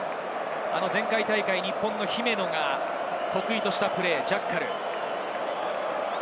前回大会、日本の姫野が得意としたプレー、ジャッカル。